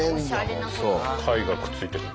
貝がくっついてくる。